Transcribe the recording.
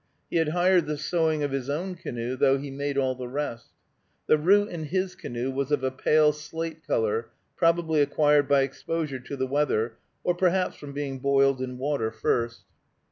He had hired the sewing of his own canoe, though he made all the rest. The root in his canoe was of a pale slate color, probably acquired by exposure to the weather, or perhaps from being boiled in water first.